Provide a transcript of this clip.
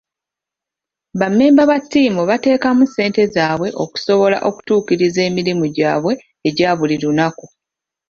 Ba mmemba ba ttiimu bateekamu ssente zaabwe okusobola okutuukiriza emirimu gyabwe egya buli lunaku.